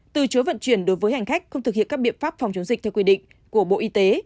từ chối vận chuyển đối với hành khách không thực hiện các biện pháp phòng chống dịch theo quy định của bộ y tế